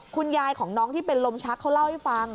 คุณยายของน้องที่เป็นลมชักเขาเล่าให้ฟัง